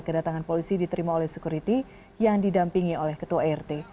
kedatangan polisi diterima oleh sekuriti yang didampingi oleh ketua rt